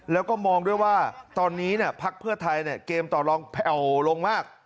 แล้วก็มองด้วยว่าตอนนี้พักเพื่อไทยเกมต่อลองแผ่วลงมาก